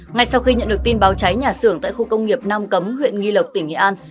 ngay sau khi nhận được tin báo cháy nhà xưởng tại khu công nghiệp nam cấm huyện nghi lộc tỉnh nghệ an